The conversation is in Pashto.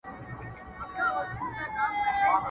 دادا دي خداى نر کي ، چي ادې ووهي.